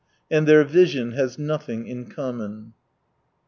And their vision has nothing in common.